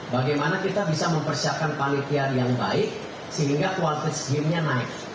bagaimana kita bisa mempersiapkan panitian yang baik sehingga kualitas game nya naik